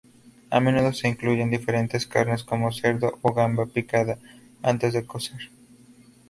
A menudo se incluyen diferentes carnes, como cerdo o gamba picada, antes de cocer.